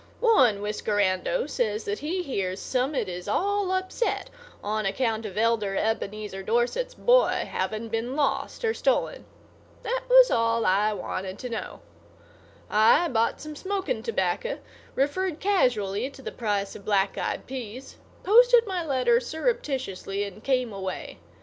One whiskerando says that he hears Summit is all upset on account of Elder Ebenezer Dorset's boy having been lost or stolen. That was all I wanted to know. I bought some smoking tobacco, referred casually to the price of black eyed peas, posted my letter surreptitiously and came away.